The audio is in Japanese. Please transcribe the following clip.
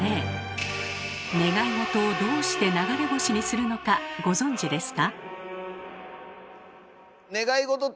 願いごとをどうして流れ星にするのかご存じですか？